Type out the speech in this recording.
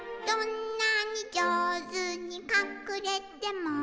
「どんなにじょうずにかくれても」